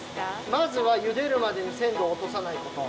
まずはゆでるまでにせんどをおとさないこと。